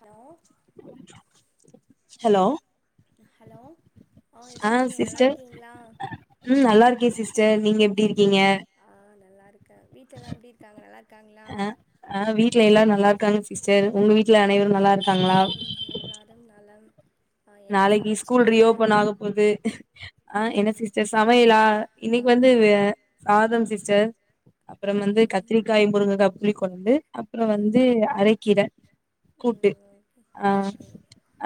hello hello hello ஆ எப்டி இருக்கீங்க நல்லாருக்கீங்ளா ம் நல்லா இருக்கே சிஸ்டர் நீங்க எப்டி இருக்கீங்க ஆ நல்லாருக்கே வீட்ல எல்லா எப்டி இருக்காங்க நல்லா இருக்காங்களா ஆ ஆ வீட்ல எல்லாரு நல்லா இருக்காங்க சிஸ்டர் உங்க வீட்ல அனைவரும் நல்லா இருக்காங்ளா ம் எல்லாரும் நலம் அ என்ன சமச்சிங்க இது ஆ என்ன சிஸ்டர் சமையலா ஆ இன்னைக்கு வந்து அ சாதம் சிஸ்டர் அப்பறம் வந்து ம் கத்திரிக்காய் முருங்கக்கா புளி கொழம்பு அப்றோ வந்து ம் அரக்கீர கூட்டு ம் ஆ ஓகே ஓகே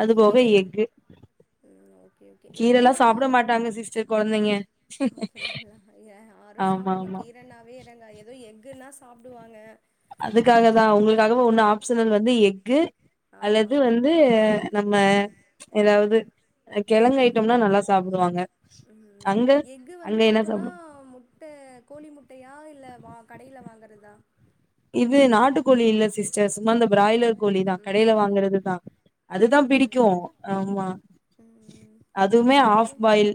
அது போக கீர எக்கு ம் ஓகே ஓகே கீரெல்லா எக்குனா சாப்ட மாட்டாங்க சிஸ்டர் கொழந்தைங்க ஆப்டிங்களா ஏ ஆரு ஆமா சாப்டமா ஆமா கீரனாவே இதாங்க எதோ எக்குன்னா சாப்டுவாங்க அதுக்காக தா உங்களுக்காக ஒன்னு ஆப்ஷனலு வந்து எக்கு ஆ அல்லது வந் து நம்ம எதாவ்து கெழங்கு ம் ஐட்டம்னா நல்லா சாப்டுவாங்க ம் அங்க எக்கு வந்து அங்க என்ன பாத்தோன்னா சாப்டுவா முட்ட கோழி முட்டையா இல்ல வா கடைல வாங்கறதா இது நாட்டு கோழி இல்ல சிஸ்டர் சும்மா இந்த பிராய்லர் கோழி தா ம் கடைல ம் வாங்கறது தா அதுதா பிடிக்கு அப்டிங்களா ஆமா ம் ம் அதுமே இங்க ஆஃப் பாயில்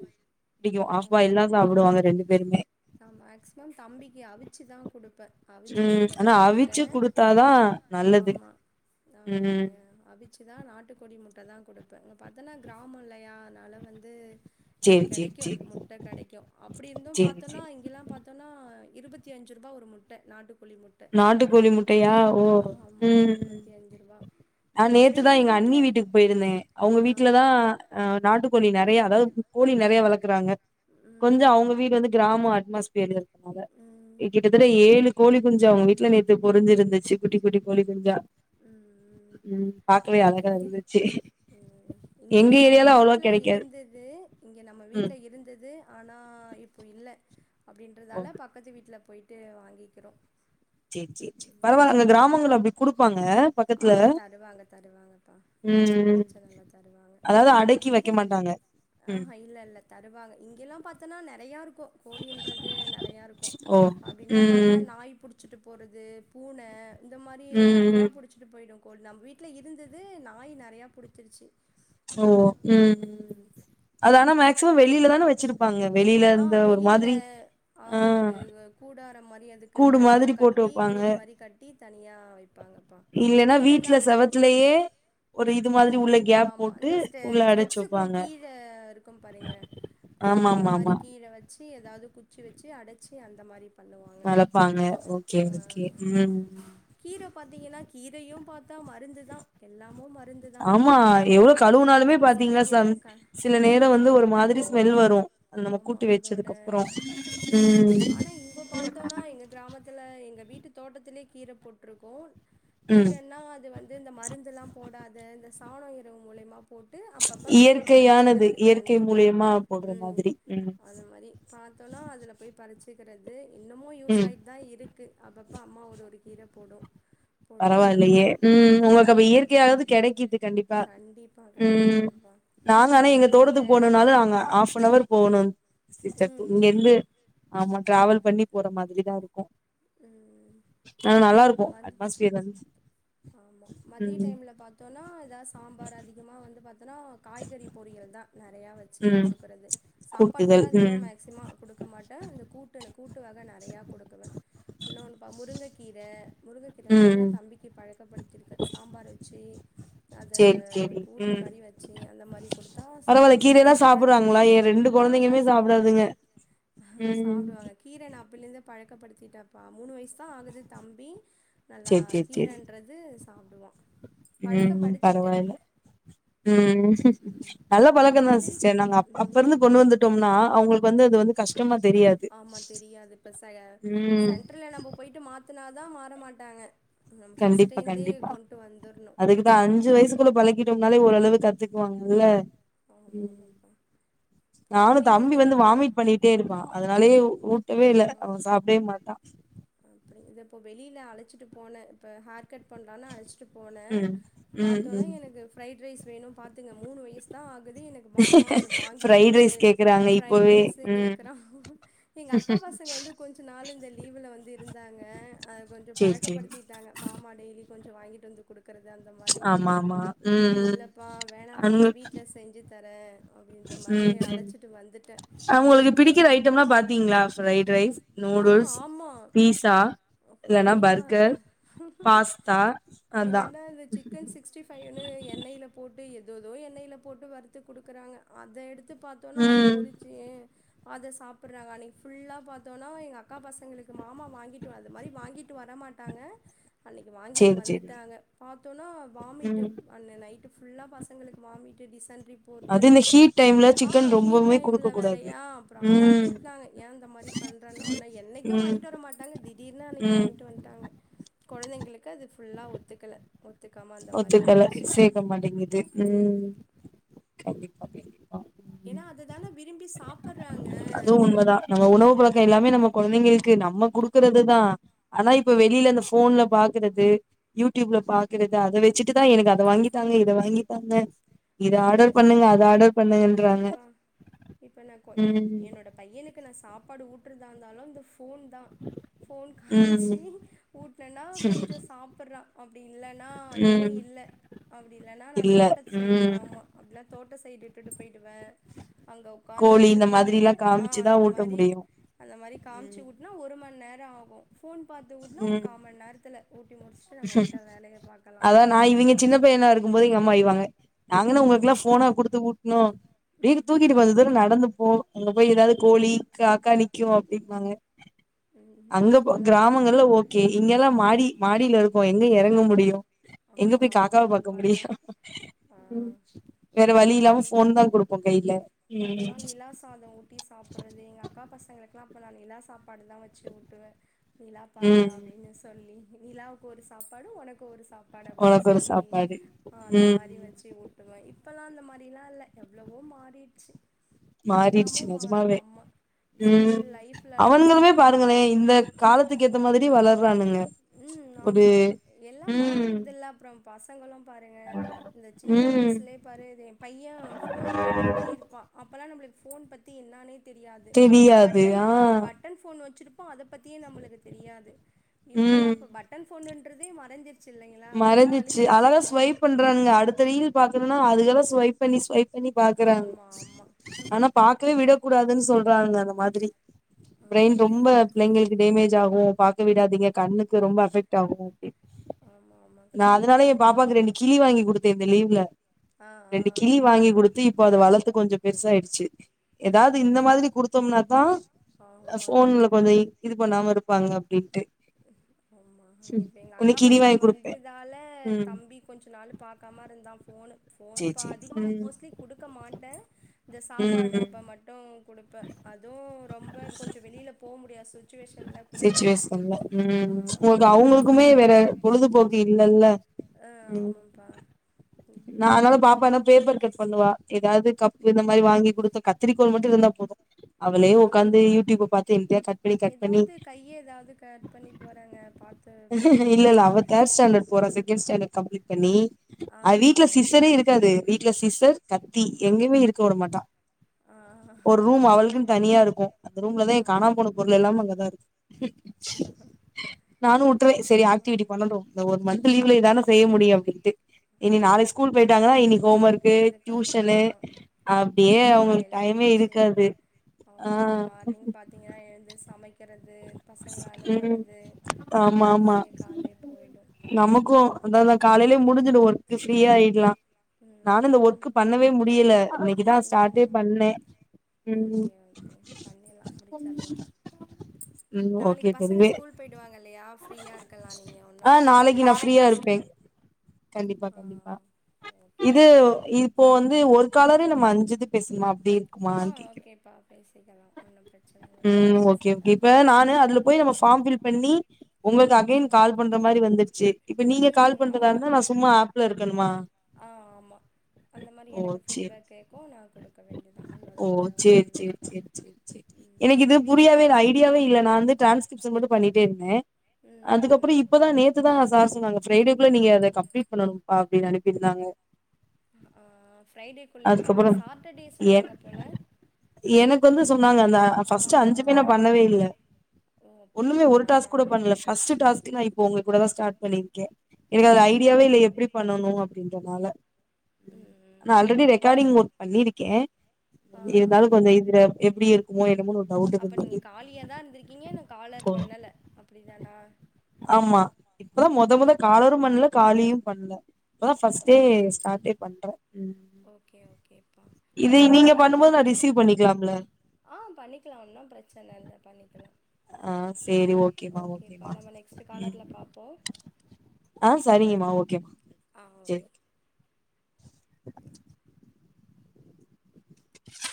புடிக்கு ஆ ஆப்பாயில்தா சாப்டுவாங்க ரெண்டு பேருமே நா மேக்ஸிமம் தம்பிக்கு அவிச்சிதா குடுப்பே அவிச்சி ம் குடுக்க ஆனா பழகிட்டே அவிச்சு குடுத்தாதா நல்லது ஆமா ஆமா ம் மாயா அவிச் சி தா நாட்டுக்கோழி முட்ட தா குடுப்பே இங்க பாத்தனா கிராமோ இல்லையா அதனால வந்து இங்க சேரி சேரி கெடைக்கு சேரி முட்ட கெடைக்கு அப்டி இருந்து பாத் சேரி சேரி இங்கெல்லா பாத்தோனா இருபத்தி அஞ்சுருபா ஒரு முட்ட நாட்டுக்கோழி முட்ட நாட்டு கோழி முட்டையா ஓ ஆமா ஆமா ம் இருபத்தி அஞ்சு ருபா நா நேத்துதான் எங்க அண்ணி வீட்டுக் போயிருந்தேன் அவ்ங்க ஆ வீட்லதா ஆ நாட்டுக்கோழி நெறையா அதாது கோழி நெறையா வளக்குறாங்க ம் கொஞ்சோ அவுங்க வீடு வந்து கிராமோ அட்மாஸ்பியர் இருக்றனால ம் இ கிட்டத்தட்ட ஏழு கோழி அவ்ங்க வீட்ல நேத்து பொரிஞ்சிருந்துச்சு குட்டி குட்டி கோழி குஞ்சா ம் ம் பாக் கவே அழகா இங்க இருந்துச்சு ம் எங்க இங்கேயு நம்ம ஏரியால அவ்ளவா வீட்ல கெடைக்காது இருந்தது இங்க நம்ம ம் வீட்ல இருந்தது ஆனா இப்போ இல்ல ஓ அப்டின்றதால பக்கத்து வீட்ல போய்ட்டு வாங்கிக்கிறோ சேர் சேர் சேர் பரவால்ல அங்க கிராமங்கல்ல அப்டி குடுப்பாங்க ஆ பக்கத்துல தருவாங்க தருவாங்க பா அது ஒன்னு பிரச்சனல்ல தருவாங்க அதாவ்து அடக்கி வைக்க மாட்டாங்க ஆ ம் ஹா இல்ல இல்ல தருவாங்க இங்கெல்லா பாத்தனா நெறையா இருக்கு கோழின்றது நெறையா இருக்கு ஓ அப்டிந்தா பாத்தா ம் நாய் புடிச்சிட்டு போறது பூன இந்த மாரி ம் நெறையா ம் புடிச்சு ட்டு போய்டு கோழி நம் வீட்ல இருந்தது நாய் நெறையா புடிச்சிருச்சு ஓ ம் அது ஆனா மேக்சிமம் வெளிலதான வச்சிருப்பாங்க வெளில ஆ இந்த ஒரு மாதிரி ஆ கூடாரோமாரி அதுக்கு கூடு தனியா மாதிரி போட்டு கட்டி வைப்பாங்க கூடு மாரி கட்டி தனியா வைப்பாங்கப்பா இல்லனா வெளியில தா வீட்ல இருக்கு செவத்துலயே ஒரு இது ஆ மாதிரி உள்ள கேப் ஆமா போட்டு இந்த ஸ்டெ உள்ள அடைச்சு ஸ்டெப்சுக்கு வைப்பாங்க கீழ இருக்கு பாருங்க ஆமா அந்த ஆமா மாரி ஆமா கீழ வச்சு எதாது குச்சி வச்சு அடச்சு அந்த மாரி பண்ணுவாங்க வளப்பாங்க ஓகே ஆ ஓகே ஆமா ம் ஆமா கீர பாத்தீங்கனா கீரையு பாத் தா மருந்துதா எல்லாமு மருந்துதா ஆமா இல்ல எவ்ளோ கீரையே கழுவுனாலுமே பாத்தீங்கன்னா சிறுகீர சம் க சில நேரோ வந்து ஒரு மாதிரி ஸ்மெல் வரு நம்ம ஆமா கூட்டு அதோட வச்சதுக்கப்புறோ ஆமா ம் ஆனா இங்க பாத்தோனா எங்க கிராமத்துல எங்க வீட்டு தோட்டத்திலே கீர போட்ருக்கோ ம் கீரன்னா அது வந்து இந்த மருந்துலா போடாத இந்த சாணோ உரோ மூலேமா போட்டு அப்பப்ப நாங்க போய் இயற்கையானது பறிச்சிக்கிறது இயற்கை கண்டிப்பா மூலியமா போடுற ம் மாதிரி ம் அந்த மாரி பாத்தோனா அதுல போய் பறிச்சுக்கிறது இன்னமு ம் யூஸ்ஸாய் தா இருக்கு அப்பப்போ அம்மா ஒரு ஒரு கீர போடு போடுவாங்க பரவாயில்லயே ம் ஆ உங்ளுக்கு அப்போ அந்த மா இயற்கையாது கெடைக்குது கண்டிப்பா கண்டிப்பா ம் கண்டிப்பாப்பா நாங்க ஆனா எங்க முருங்கக்கீர தோட்டத்துக் போனுனாலு அங்க ஆஃபுனவர் போகணு சிஸ்டர் ம் இங்க இருந்து ம் ஆமா டிராவல் பண்ணி போற மாதிரிதா இருக்கு ம் ஆனா நல்லாருக்கு மந் அ ச்சு வந்ச்சு ஆமா மதிய டைம்ல பாத்தோனா எதா சாம்பார் அதிகமா வந்து பாத் தனா காய்கறி பொரியல்தா நெறையா வச்சு ம் குடுக்குறது சாப்பாடு கூட கூட்டுதல் அதிகமா ம் மேக்ஸிமா குடுக்க மாட்ட இந்த கூட்டுனு கூட்டு வக நறையா குடுக்குவே இன்னொன்னு பா முருங்கக்கீர முருங்கக்கீர நெறையா ம் தம்பிக்கு பழக்கப்படித்திருக்க சாம்பார் வச்சு அத சேரி சேரி கூட்டு ம் மாரி வச்சு அந்த மாரி குடுத்தா பரவாயில்ல சாப்டுவாங்க கீரைல்லா சாப்புடுறாங்களா குழந்தைங்களுக்கு எ ரெண்டு ஆங்க்கா கொழந்தைங்களுமே சாப்டுவா சாப்புடாதுங்க ம் சாப்டுவாங்க கீர நா அப்பிலிர்ந்தே பழக்கப்படித்திட்டன் ப்பா மூணு வய்ஸ்தா ஆகுது தம்பி நல்லா சேரி சேரி சேரி கீரன் றது சாப்டுவான் ம் பழக்கப்படித்திட்டேன் பரவாயில்ல ம் நல்ல பழக்கந்தா அப்டின் சிஸ்டர் நாங்க அப் ம் அப்பருந்து கொண்டு வந்து டோம்னா அவுங்களுக்கு வந்து அது வந்து கஷ்டமா தெரியாது ஆமா தெரியாது இப்ப செ ம் சென்ட்ரல்ல நம்ம போயிட்டு மாத் துனாதா மாற மாட்டாங்க நம்ம ஃபர்ஸ்ட்டேந்தே கொண்ட்டு வந்துருணு இந்த அஞ்சு வயசுக்குள்ள பழகிட்டோம்னாலே ஓரளவு கத்துக்குவாங்கல்ல ஆமா ம் ஆமாப்பா பா நானு வெளில தம்பி இது வந்து இப்ப வாமிட் பண்ணி ட்டேருப்பா அதனாலயே ஊட்டவே இல்ல அவ சாப்டே மாட்டா அப்டி இத இப்ப வெளியில அழச்சிட்டு போன இப்ப ஹேர் கட் பண்லானு அழச்சிட்டு போனே ம் ம் பாத்தோனா ம் எனக்கு ஃப்ரைட் ரைஸ் வேணு பாத்துங்க மூணு வயசு தா ஆகுது எனக் மாமா அத வாங்கிக் ஃப்ரைட் குடு ரைஸ் கேக்குறாங்க ஃப்ரைட் இப்பவே ரைஸ ம் கேக்குறா எங்க அக்கா பசங்க வந்து கொஞ்ச நாளு இந்த லீவ்ல வந்து இருந்தாங்க அத கொஞ்சோ சேரி சேரி பழக்கப்படித்திட்டாங்க மாமா டெய்லி கொஞ்சோ வாங்கிட்டு வந்து குடுக் க்கிறது அந்த மாரி ஆமா ஆமா ம் ம் இல்லப்பா வேணாப்பா நா அவுங்க வீட்ல செஞ்சு தரே அப்டின்ற மாரி ம் ம் அழைச்சிட்டு வந்துட்டே அவுங்களுக்கு வந்துட்டு பிடிக்கிற ஐட்டமெல்லா பாத்தீங்ளா ஃப்ரைட் ரைஸ் நூடுல்ஸ் பீஸா ஓ இல்லன்னா கண்டிப்பாக்கா பர்கர் பாஸ்தா அதா இல்லனா இந்த சிக்கன் சிக்ஸ்டிஃப் பைனு எண்ணெயில போட்டு ஏதொதோ எண்ணெயில போட்டு வறுத்து குடுக்குறாங்க அத எடுத்து பாத் தொனா அத ம் பொரிச்சி அத சாப்றாங்க அன்னக்கு ஃபுல்லா பாத்தோனா எங்க அக்கா பசங்களுக்கு மாமா வாங்கிட் டு அது மாரி வாங்கிட்டு வர மாட்டாங்க அன்னைக்கி வாங்கிட்டு சேரி சேரி வந்துட்டாங்க பாத்தோனா வாமிட்டு ம் அன்ன நைட்டு ஃபுல்லா பசங்களுக்கு வாமிட்டு டிசன்ட்ரி போறது அது இந்த ஹீட் டைம்ல ஆ சிக்கன் ஹீட் ரொம்பவுமே குடுக்க டைம்ல கூடாது வேறயா அப்றோ அம்மா ம் திட்னாங்க ஏ இந்த மாரி பண்றன்னனோன என்னைக்கு ம் வாங்கிட்டு வர மாட்டாங்க திடீர் னு அன்னக்கி ம் வாங்கிட்டு வந்துட்டாங்க கொழந்தைங்களுக்கு அது ஃபுல்லா ஒத்துக்கல ஒத்துக்காம அந்த மாரி ஒத்துக்கல ஆயிடுச்சு சேக மாட்டேங்குது ம் கண்டிப்பா பேதி ஏனா அததான விரும்பி சாப்புறாங்க அதுவும் உண்மதா நம்ம உணவு பழக்கோ எல்லாமே நம்ம கொழந்தைங்களுக்கு நம்ம குடுக்குறதுதா ஆனா இப்ப வெளியில ஆமா அந்த ஃபோன்ல பாக்கறது யூடியூப்ல பாக்கறது அதவச் ச்சிட்டுதா எனக்கு அத வாங்கித்தாங்க இத வாங்கித்தாங்க இத இப்ப ஆர்டர் பண்ணுங்க அத ஆர்டர் பண்ணுங்கன்றாங்க கண்டிப்பா இப்ப நாகொ ஏ ம் என்னோட பையனுக்கு நா சாப்பாடு ஊட்டுறதா இருந்தாலு இந்த ஃபோன் தா ஃபோன் ம் காமிச்சி ஊட்னனா கொஞ்சோ சாப்புற்றா அப்டி இல்லன்னா அதுவு ம் இல்ல அப்டி இல்லனா நா இல்ல தோட்டச் ம் ஆமா அப்டிலா தோட்ட சைடு ட்டுட்டு போயிடுவே அங்க உக்காந்து கோழி இந்த ஊட்றதுக்கு மாதிரில்லா ஆ காமிச்சுதா அந்த ஊட்ட மாரி முடியும் அந்த மாரி ம் காமிச்சு ஊட்னா ஒரு மணி நேர ஆகு ஃபோன் பாத்து ஊட்னா ஒரு ம் கா மணி நேரத்ல ஊட்டி முடிச்சு அதா நா இவுங்க சின்ன பையனா இருக்கும் போது எங்கம்மா வைவாங்க நாங்கென்னா ஒங்களுக்கலா ஃபோனா குடுத்து ஊட்ணோ இப்டியே தூக்கிட்டு கொஞ்ச தூரோ நடந்து போ அங்க போயி ஏதாது கோழி காக்கா நிக்கு அப்டிம்பாங்க ம் அங்க அப்பல்லா கிராமங்கள்ல ஓகே இங்கெல்லா மாடி மாடில இருக்கோ எங்க எறங்க முடியு எங்க ஆமா போயி காக்காவ ஆமாங்க பாக்க முடியு உண்மதா ஆ ம் வேற வழி இல்லாம ஃபோன் தா குடுப்போ கையில அப்போல்லா நிலா சாதோ ஊட்டி சாப்புறது எங்க அக்கா பசங்களுக்கெல்லா அப்போ நா நிலா சாப்பாடு தா வச்சு ஊட்டுவே நிலா பார்றா ம் அப்டின்னு சொல்லி நிலாவுக்கு ஒரு சாப்பாடு ஒனக்கு ஒரு சாப் பாடு அப்டின்னு ஒனக்கு ஒரு சொல்லி சாப்பாடு அ அந்த ம் மாரி வச்சு ஊ ப்பவே இப்பலா அந்த மாரியிலா இல்ல எவ்ளவோ மாறிர்ச்சு மாறிர்ச்சு நெஜமாவே ம் ஸ்கூல் லைஃப்லலா அவன்ங்களுமே பாத்தோன்னா பாருங்களே இந்தக் காலத்துக்கு ஏத்த மாதிரி வளர்றானுங்க ம் ஒரு ஆமா எல்லாம் ம் மாறிர்துல்ல அப்றம் பசங்களும் பாருங்க இந்த சின்ன ம் வயசுலேப் பாரு இது எம் பையே ஃபோனத் தள்ளிகிட்டே இருப்பா அப்பலா நம்ளுக் ஃபோன் பத்தி என்னானேத் தெரியாது பட்டன் ஆ பட் ட்டன் ஃபோன் வெச்சுருப்போ அதப்பத்தியே நம்மளுகு தெரியாது இப்பலாம் ம் இப்ப பட்டன் ஃபோனுன்றதே மறஞ்சிருச்சு இல்லைங்களா ஃபுல்லா அழி்ஞ்சிருச்சு ஆமா றங்க அடுத்த ரீல் பாக்கணுன்னா அதுகளே ஸ்வைப் பண்ணி ஸ்வைப் பண்ணி பாக்கறாங்க ஆமா ஆமா ஆனா பாக் க்கவே விடக்கூடாதுனு சொல்றாங்க அந்த மாதிரி பிரெயின் ஆமா ரொம்ப என்ன பிள்ளைங்கிள்க் டேமேஜ் ஆகு பாக்க விடாதீங்க கண்ணுக்கு ரொம்ப அஃபெக்ட் ஆகு அப்டி ஆமா ஆமா நா அதனால கண்டிப்பா எ பாப்பாக்கு ரெண்டு கிளி வாங்கி குடுத்தே இந்த லீவ்ல ஆ ரெண்டு கிளி ஆ வாங்கி குடுத்து இப்போ அத வளர்த்து கொஞ்சப் பெருசாயிடுச்சி எதாவது இந்த மாதிரி ஃபோன் குடுத்தோம்னாத்தா ஆமா ஃபோன்ல கொஞ்சோ இ இது பண்ணாம இருப்பாங்க அப்டின்ட்டு பொம்மா இப்ப எங்க ஒன்னு அக்கா கிளி பசங்க வாங்கி குடுப்பே வந்துதால ம் தம்பி கொஞ்சோ நாலுப் பாக்காம இருந்தா ஃபோனு சேரி ஃபோன்பா சேரி அதிகமா ம் மோஸ்ட்லி குடுக்க மாட்டே இந்த ம் ம் சாப்பாட்றப்ப மட்டு குடுப்பே அதுவு ரொம்ப கொஞ்சோ வெளிலப் போ முடியா சுச் ச்சுவேஷன்ல குடுப்பேந் சிச்சுவேஷன்ல தம்பிகி ம் உங்கள்கு அவுங்களுக்குமே வேற பொழுதுபோக்கு இல்லல்ல அ ம் ஆமம்பா ம் நா அதனால பாப்பா எனப் பேப்பர் கட் பண்ணுவா எதாது கப்பு இந்த மாரி வாங்கி குடுத்து கத்திரிக்கோள் மட்டு இருந்தா போது அவளே ம் ஒக்காந்து ம் யூடியூப பாத்து என்தியா கட் பண்ணி கட் பண்ணி எதாவது கைய எதாவது கட் பண்ணி போறாங்க பாத்து இல்ல பண்ணிக்கோங்க இல்ல அவெ தேர்ட் ஸாண்டர்ட் போறா செகண்ட் ஸ்டாண்டர்ட் கம்ப்ளீட் பண்ணி ஆ அது ஆ வீட்ல ஓகே சிசரே ஓகே இருக்காது வீட்ல சிஸர் கத்தி எங்கயுமே இருக்க வுட மாட்டா ஆ ஒரு ரூம் அவள்க்குன் தனியா இருக்கு அந்த ரூம்லதா எங் காணாம போன பொரு ளு எல்லாமே அங்கதா இருக்கு நானு வுட்ருவே செரி ஆக்டிவிட்டி பண்ணட்டு இந்த ஒரு மன்ந்த் த்த லீவ்ல இதான செய்ய முடியு அப்டின்ட்டு இனி நாளை ஆமா ஸ்கூல் போயிட்டாங்கனா இன்னைக் ஹோம் ஒர்க்கு இதுக்கப்புறோ டியூஷனு ஆமா அப்டியே அவுங்ளுக் காலையில டைமே இருக் ஏந்ச்சி க்காது ஆமா மார்னிங் பாத்தீங்கனா எழுந்து சமைக் க்கறது பசங்கள ம் அனுப்பறது ஆமா இந்த ஆமா மாரியேக் கால்லியேப் போய்டு நமக்கு அதா அதா காலைலியே முடிஞ்சுடு ஒர்க் ஃப்ரீ ஆயிட்லா நானு இந்த ம் ஒர்க்கு பண்ணவே முடியல இனைக் கிதா ஸ்டார்ட்டே ம் பண்ணே ம் ஓகே ஓகே பண்ணிடலா முடிச்சிடலா ம் நாளைக்கு ஓகே பசங்க தெரியவே ஸ்கூல் போயிடுவாங்க இல்லையா ஃப்ரீயா இருக்கலா நீங்க ஆ ஒன்னும் பிரச்சன நாளைக்கு நா ஃப்ரீயா இருப்பே கண்டிப்பா ஆ கண்டிப்பா ஓகே இது இப்போ வந்து ஒர்க் காலரே நம்ம அஞ்சி இது பேச்னமா அப்டி இருக்கு ஆ மான் கேக்க ஓகேப்பா பேசிக்கலா ஒன்னு பிரச்சன இல்ல ம் ஓகே ஓகே பேசிக்கலா இப்ப நானு அதுலப் போய் ம் நம்ம ஃபார்ம் ஃபில்ப் பண்ணி உங்கள்க்கு அகைன் கால் பண்ற மாரி வந்துருச்சி இப்ப நீங்க கால் ம் பண்றதாந் ஆமா அப்டிதா ஆ ஆமா அந்த மாரி ஓ எனக்கு சேரி ஃபீட்பேக் கேக்கு நா குடுக்க வேண்டியதா அவ்ளோதா ஓ வேற ஒன்னா சேரி சேரி சேரி சேரி சேரி எனக்கு இது புரியவே இல்ல ஐடியாவே இல்ல நா வந்து டிரான்ஸ்கிரிப்ஷன் வந்து பண்ணிட்டே இருந்தே அதுக்கப்பற ம் இப்பதா நேத்துதா சார் சொன்னாங்க ஃப்ரைடேக்குள்ள நீங்க அத கம்ப்ளிட் பண்ணும்ப்பா அப்டின் அனுப்பிருந்தாங்க ஆ ஃப்ரைடேக்குள்ளேவா அதுக்கப்புறோ சாட்டர்டே எ சொன்னாங்க போல எனக்கு வந்து சொன்னாங்க அந்த ஆ ஆ ஃபர்ஸ்ட் அஞ்சுமே நா பண்ணவே இல்ல ஓ ஒண்ணுமே ஒரு அப்டிங்களா டாஸ் கூட பண்ணல ஃபஸ்ட்டு டாஸ்கே இப் இப்ப உங்க கூட தா ஸ்டார்ட் பண்ணியிருக்கே ஆ எனக்கு அது ஐடியாவே சரி இல்ல எப்டி பண்ணணு அப்டின்றதுனால ம் நா ம் ஆல்ரெடி ரெக்கார்டிங் ஒர்க் பண்ணியிருக்கே ஆ இருந்தாலு கொஞ்சோ இதுல எப்டி இருக்குமோ என்னமன்னு ஒரு டவுட் அப்ப இருந்துது நீங்க காலியா தா இருந்திருக்கீங்க இன்னு காலர் பண்ணல அப்டி தானா ஆமா இப்பதா மொத மொத காலரு பண்ல காலியூ பண்ல இப்பதா ஓ ஃபர்ஸ்டே ஸ்டார்டே பண்ற ஓகே ஓகேப்பா இது சரி நீங்க ஓகே பண்ணும் போது நா ரிசீவ் பண்ணிக்கலாம்ல ஆ பண்ணிக்லா ஒன்னு பிரச்சன இல்ல பண்ணிக்லா ஆ சேரி ஓகேமா ஓகேமா நம்ம நெக்ஸ்ட் ம் காலர்ல பாப்போ ஆ செரிங்கம்மா ஓகேம்மா ஆ ஓகே [inaudible]